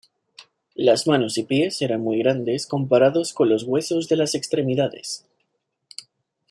Las manos y pies eran muy grandes comparados con los huesos de las extremidades.